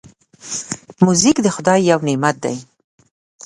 موزیک د خدای یو نعمت دی.